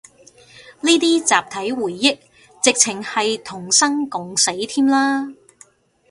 呢啲集體回憶，直程係同生共死添啦